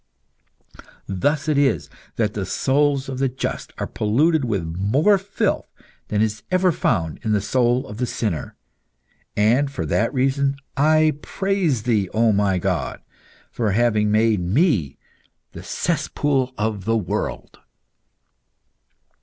Thus it is that the souls of the just are polluted with more filth than is ever found in the soul of the sinner. And, for that reason, I praise Thee, O my God, for having made me the cesspool of the world."